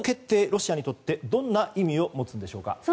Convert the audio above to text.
ロシアにとってどんな意味を持つんでしょうか？